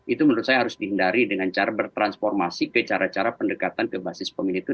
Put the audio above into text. itu menurut saya harus dihindari dengan cara bertransformasi ke cara cara pendekatan ke basis pemilih itu